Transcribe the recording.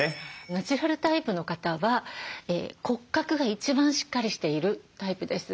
ナチュラルタイプの方は骨格が一番しっかりしているタイプです。